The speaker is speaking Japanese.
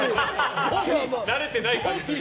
慣れてない感じする。